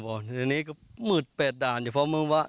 ผมเนี้ยแบบว่านี้ก็หมืดเป็ดด่านเฉพาะมันว่า